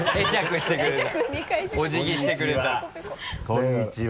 こんにちは。